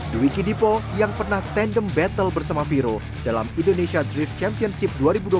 dwi ki dipo yang pernah tandem battle bersama viro dalam indonesia drift championship dua ribu dua puluh